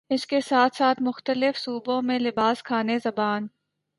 اس کے ساتھ ساتھ مختلف صوبوں میں لباس، کھانے، زبان